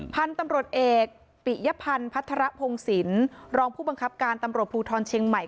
พันธุ์ตำรวจเอกปิยพันธ์พัฒระพงศิลป์รองผู้บังคับการตำรวจภูทรเชียงใหม่